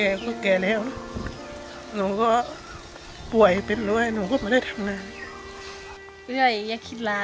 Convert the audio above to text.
แม่ใหกร่วงช่วงใหกรรมละ